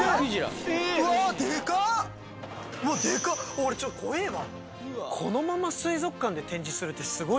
俺ちょっと怖えぇわ。